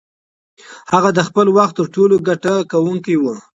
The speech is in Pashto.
هغه د خپل وخت تر ټولو ګټه کوونکې وه.